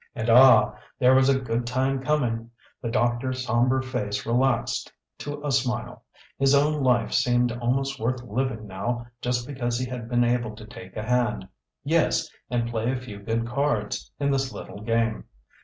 And ah, there was a good time coming! The doctor's sombre face relaxed to a smile. His own life seemed almost worth living now just because he had been able to take a hand yes, and play a few good cards in this little game.